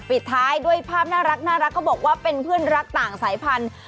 ปิดท้ายด้วยภาพน่ารักเขาบอกว่าเป็นเพื่อนรักต่างสายพันธุ